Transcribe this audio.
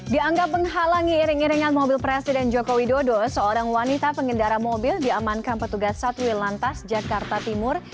dianggap menghalangi iring iringan mobil presiden joko widodo seorang wanita pengendara mobil diamankan petugas satwil lantas jakarta timur